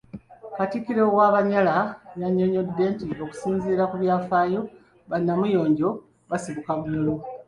Katikkiro w'Abanyala yannyonnyodde nti okusinziira ku byafaayo, ba Namuyonjo basibuka Bunyoro.